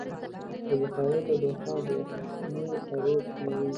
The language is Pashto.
د بخارۍ تودوخه د یخنۍ اغېز کموي.